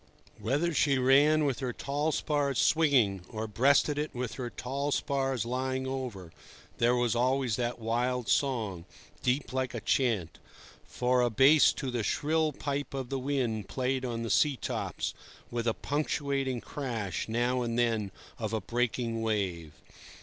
Whether she ran with her tall spars swinging, or breasted it with her tall spars lying over, there was always that wild song, deep like a chant, for a bass to the shrill pipe of the wind played on the sea tops, with a punctuating crash, now and then, of a breaking wave.